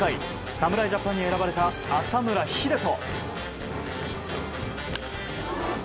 侍ジャパンに選ばれた浅村栄斗。